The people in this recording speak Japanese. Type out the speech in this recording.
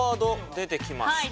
出てきました